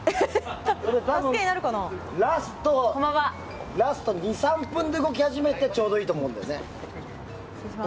多分、ラスト２３分で動き始めてちょうどいいと思うんだよね。